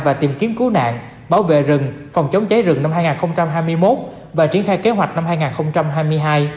và tìm kiếm cứu nạn bảo vệ rừng phòng chống cháy rừng năm hai nghìn hai mươi một và triển khai kế hoạch năm hai nghìn hai mươi hai